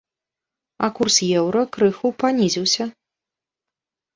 А курс еўра крыху панізіўся.